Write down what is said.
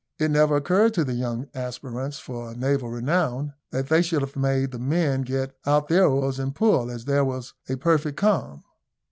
It never occurred to the young aspirants for naval renown that they should have made the men get out their oars and pull, as there was a perfect calm.